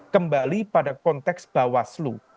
kembali pada konteks bawah slu